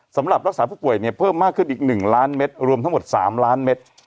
สำหรับรักษาผู้ป่วยเนี่ยเพิ่มมากขึ้นอีก๑ล้านเม็ดรวมทั้งหมด๓ล้านเมตร